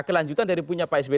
kelanjutan dari punya pak sby